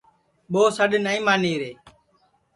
ٻو سڈؔ نائی مانی رے